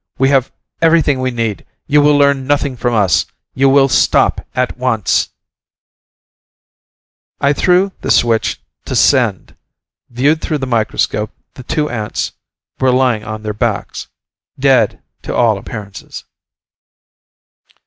We have everything we need. You will learn nothing from us. You will stop at once!" I threw the switch to "send." Viewed through the microscope, the two ants were lying on their backs ... dead, to all appearances.